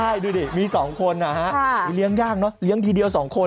แล้วนี่ก็จะเป็นลูกแฟนด้วยมั้ย